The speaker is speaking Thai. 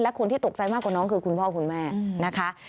คนที่ตกใจมากกว่าน้องคือคุณพ่อคุณแม่นะคะ